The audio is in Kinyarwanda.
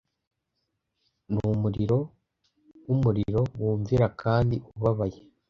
numuriro wumuriro wumvira kandi ubabaye